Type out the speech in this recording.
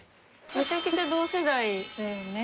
めちゃくちゃ同世代だよね？